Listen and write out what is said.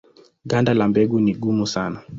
Ganda la mbegu ni gumu sana.